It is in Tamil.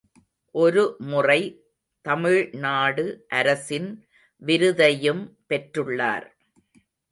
ஒருமுறை தமிழ்நாடு அரசின் விருதையும் பெற்றுள்ளார்.